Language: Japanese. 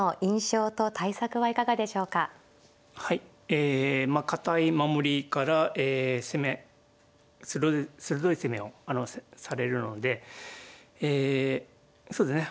ええ堅い守りから攻め鋭い攻めをされるのでええそうですね